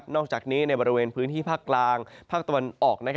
จากนี้ในบริเวณพื้นที่ภาคกลางภาคตะวันออก